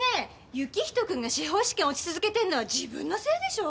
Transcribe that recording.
行人君が司法試験落ち続けてるのは自分のせいでしょう！？